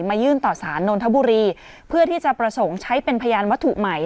ยื่นต่อสารนนทบุรีเพื่อที่จะประสงค์ใช้เป็นพยานวัตถุใหม่